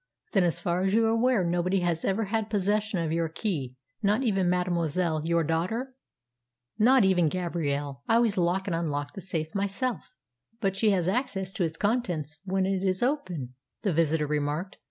"Then, as far as you are aware, nobody has ever had possession of your key not even mademoiselle your daughter?" "Not even Gabrielle. I always lock and unlock the safe myself." "But she has access to its contents when it is open," the visitor remarked.